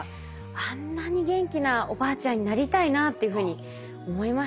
あんなに元気なおばあちゃんになりたいなっていうふうに思いましたね。